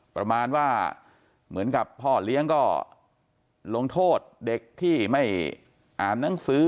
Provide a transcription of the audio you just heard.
ประมาณว่าเหมือนกับพ่อเลี้ยงก็ลงโทษเด็กที่ไม่อ่านหนังสือ